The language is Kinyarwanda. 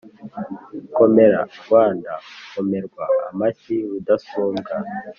komera(rwanda)komerwa amashyi rudasumbwa.